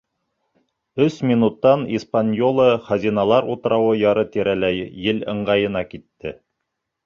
Өс минуттан «Испаньола» Хазиналар утрауы яры тирәләй ел ыңғайына китте.